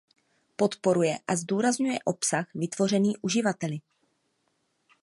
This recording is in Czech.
Podporuje a zdůrazňuje obsah vytvořený uživateli.